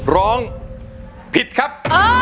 ร้องผิดครับ